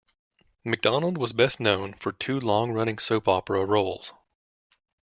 McDonald was best-known for two long-running soap opera roles.